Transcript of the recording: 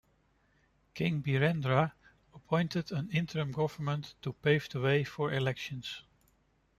King Birendra appointed an interim government to pave the way for elections.